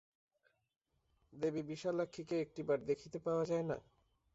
দেবী বিশালাক্ষীকে একটিবার দেখিতে পাওয়া যায় না?